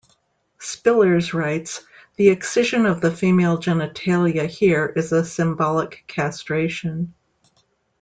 Spillers writes, The excision of the female genitalia here is a symbolic castration.